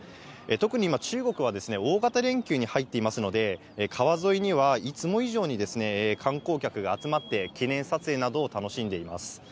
特に今、中国は大型連休に入っていますので、川沿いには、いつも以上に観光客が集まって、記念撮影などを楽しんでいます。